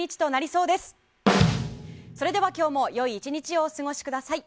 それでは今日も良い１日をお過ごしください。